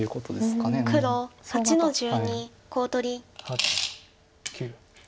８９。